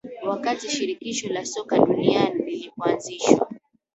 wakati Shirikisho la Soka Duniani lilipoanzishwa